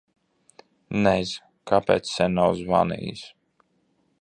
Nez kāpēc sen nav zvanījis.